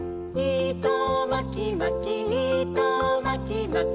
「いとまきまきいとまきまき」